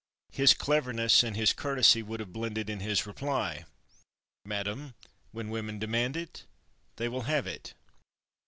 his cleverness and his courtesy would have blended in his reply, "Madam, when women demand it, they will have it."